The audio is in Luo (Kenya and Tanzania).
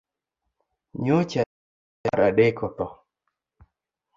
Nyocha chiega mar adek otho